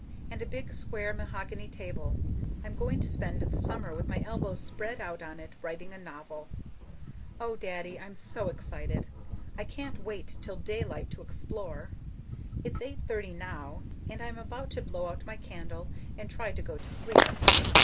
And a big square mahogany table I'm going to spend the summer with my elbows spread out on it, writing a novel. Oh, Daddy, I'm so excited! I can't wait till daylight to explore. It's 8.30 now, and I am about to blow out my candle and try to go to sleep.